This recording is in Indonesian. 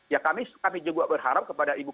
ya kami juga berharap kepada ibu